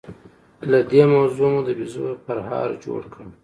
له دې موضوع مو د بيزو پرهار جوړ کړ.